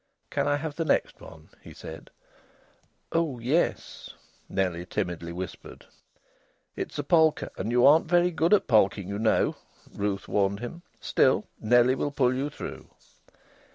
"Can I have the next one?" he said. "Oh, yes!" Nellie timidly whispered. "It's a polka, and you aren't very good at polking, you know," Ruth warned him. "Still, Nellie will pull you through."